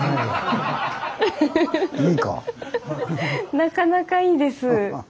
なかなかいいです。